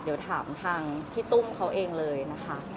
เดี๋ยวถามทางพี่ตุ้มเขาเองเลยนะคะ